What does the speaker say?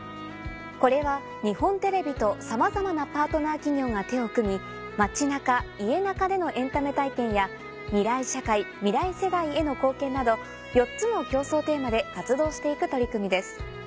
これは日本テレビと様々なパートナー企業が手を組み街ナカ家ナカでのエンタメ体験や未来社会未来世代への貢献など４つの共創テーマで活動していく取り組みです。